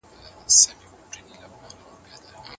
که ته هره ورځ پیزا خورې نو وزن دي زیاتېږي.